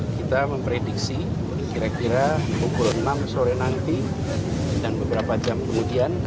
kita memprediksi kira kira pukul enam sore nanti dan beberapa jam kemudian